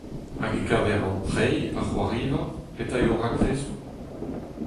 Hag e-keñver an treiñ, ar c'hoariva, petra eo ho raktresoù ?